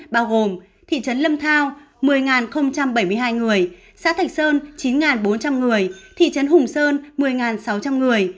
bao gồm thị trấn lâm thao một mươi bảy mươi hai người xã thạch sơn chín bốn trăm linh người thị trấn hùng sơn một mươi sáu trăm linh người